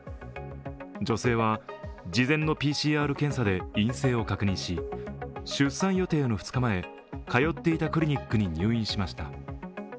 女性は事前のＰＣＲ検査で陰性を確認し出産予定の２日前、通っていたクリニックに入院しました。